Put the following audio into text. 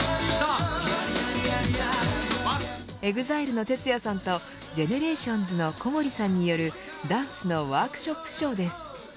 ＥＸＩＬＥのＴＥＴＵＹＡさんとＧＥＮＥＲＡＴＩＯＮＳの小森さんによるダンスのワークショップショーです。